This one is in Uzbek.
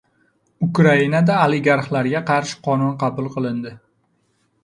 Ukrainada oligarxlarga qarshi qonun qabul qilindi